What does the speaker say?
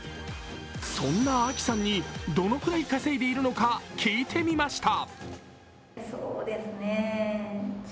そんなＡｋｉさんにどのくらい稼いでいるのか聞いてみました。